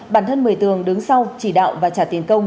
bản thân một mươi tường đứng sau chỉ đạo và trả tiền công